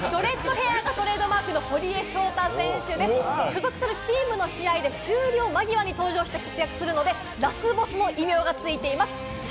そしてきょうの注目選手はドレッドヘアが注目の堀江翔太選手で、所属するチームの試合で終了間際に登場し、活躍するのでラスボスの異名がついています。